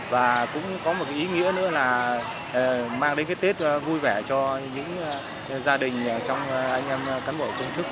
và cũng có một cái ý nghĩa nữa là mang đến cái tết vui vẻ cho những gia đình trong anh em cán bộ công chức